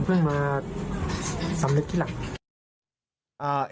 เพิ่งมาสำนึกที่หลัก